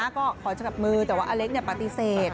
ก็ขอสนับมือแต่ว่าอเล็กปฏิเสธ